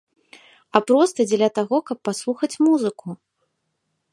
А проста дзеля таго, каб паслухаць музыку.